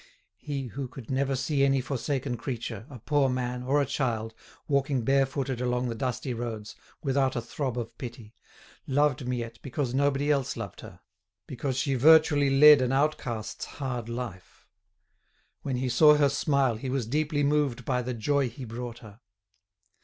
He, who could never see any forsaken creature, a poor man, or a child, walking barefooted along the dusty roads, without a throb of pity, loved Miette because nobody else loved her, because she virtually led an outcast's hard life. When he saw her smile he was deeply moved by the joy he brought her.